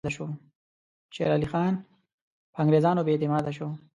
شېر علي خان پر انګریزانو بې اعتماده شو.